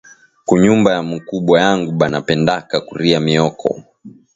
Ku nyumba ya mukubwa yangu bana pendaka kuria mioko